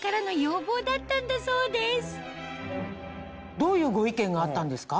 どういうご意見があったんですか？